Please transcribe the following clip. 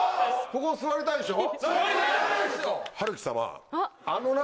ここ座りたいでしょ？